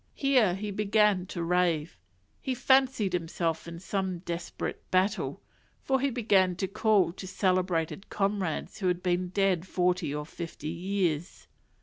Here he began to rave; he fancied himself in some desperate battle, for he began to call to celebrated comrades who had been dead forty or fifty years.